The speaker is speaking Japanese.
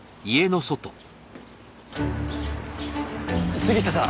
杉下さん